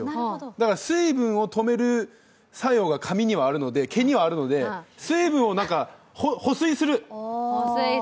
だから水分を止める作用が毛にはあるので水分を、保水する！